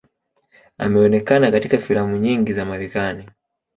Ameonekana katika filamu nyingi za Marekani.